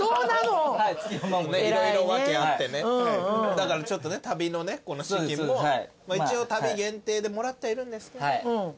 だからちょっとね旅の資金も一応旅限定でもらってはいるんですけど。